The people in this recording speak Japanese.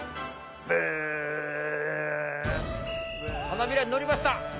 花びらにのりました！